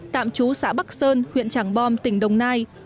tạm trú xã bắc sơn huyện trảng bom tỉnh đồng nai